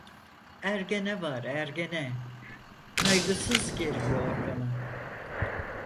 Ergene var ergene, kaygısız gir yorgana.